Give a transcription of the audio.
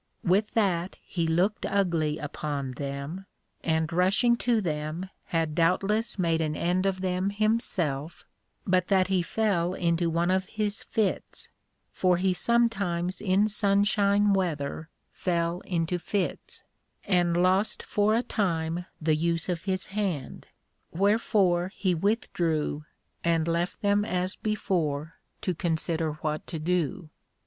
With that he looked ugly upon them, and rushing to them had doubtless made an end of them himself, but that he fell into one of his Fits, (for he sometimes in Sun shine weather fell into Fits) and lost for a time the use of his hand; wherefore he withdrew, and left them as before, to consider what to do.